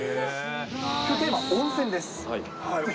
きょうのテーマ、温泉です。